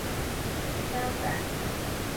秘密可说是开放的相反。